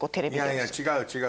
いやいや違う違う。